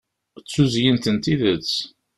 D tuzyint n tidet